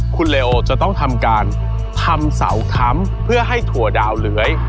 คุณเลวจะต้องทำการทำเสาค้ำเพื่อให้ถั่วดาวเหลือย